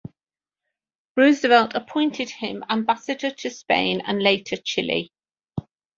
Roosevelt appointed him ambassador to Spain and later Chile.